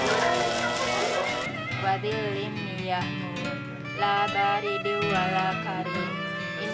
besarnya khis ketik pria yang lalu melupakan ata screams